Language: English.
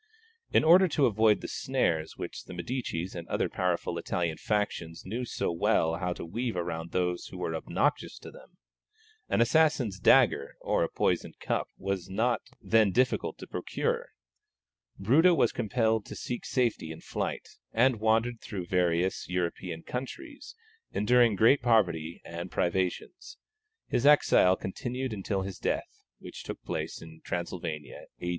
In order to avoid the snares which the Medicis and other powerful Italian factions knew so well how to weave around those who were obnoxious to them an assassin's dagger or a poisoned cup was not then difficult to procure Bruto was compelled to seek safety in flight, and wandered through various European countries, enduring great poverty and privations. His exile continued until his death, which took place in Transylvania, A.